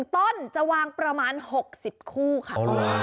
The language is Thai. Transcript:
ต้นจะวางประมาณ๖๐คู่ค่ะ